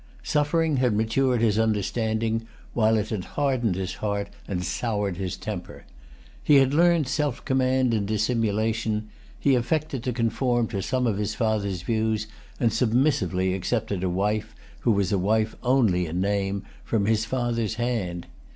Suffering had matured his understanding, while it had hardened his heart and soured his temper. He had learnt self command and dissimulation: he affected to conform to some of his father's views, and submissively accepted a wife, who was a wife only in name, from his father's hand.